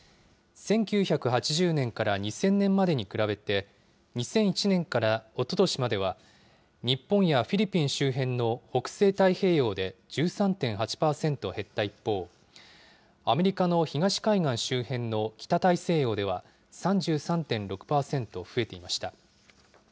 １９８０年から２０００年までに比べて、２００１年からおととしまでは、日本やフィリピン周辺の北西太平洋で１３．８％減った一方、アメリカの東海岸周辺の北大西洋では３３．６％増えていました。